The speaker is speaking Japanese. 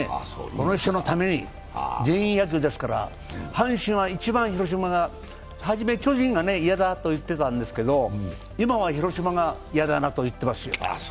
この人のために全員野球ですから阪神は一番広島が、初め巨人が嫌だなと言ってたんですけど、今は、広島が嫌だなと言ってますよ